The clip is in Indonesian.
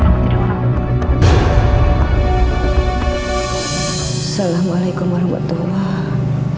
assalamualaikum warahmatullahi wabarakatuh